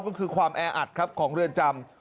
ก็คือความแออัดครับของเรือนจำ